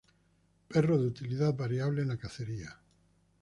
Perro de utilidad variable en la cacería.